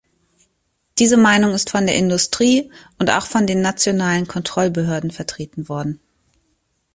Diese Meinung ist von der Industrie und auch von den nationalen Kontrollbehörden vertreten worden.